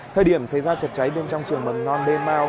thời điểm xảy ra chật cháy bên trong trường mầm non demao